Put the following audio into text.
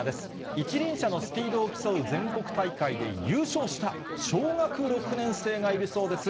一輪車のスピードを競う全国大会で優勝した小学６年生がいるそうです。